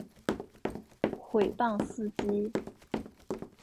毁谤司机